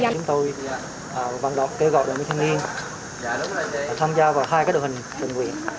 chúng tôi văn đọc kêu gọi đoàn viên thanh niên tham gia vào hai đội hình tình nguyện